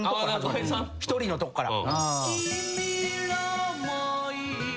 一人のとこから。